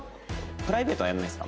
プライベートはやらないですか？